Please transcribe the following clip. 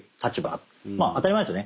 まあ当たり前ですよね。